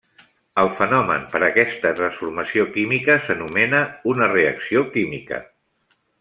El fenomen per a aquesta transformació química s'anomena una reacció química.